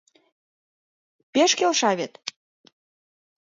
Пеш келша вет.